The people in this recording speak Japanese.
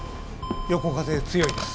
横風強いです。